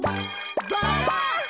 バラ！